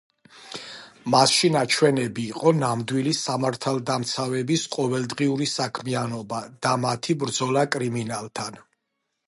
მასში ნაჩვენები იყო ნამდვილი სამართალდამცავების ყოველდღიური საქმიანობა და მათი ბრძოლა კრიმინალთან.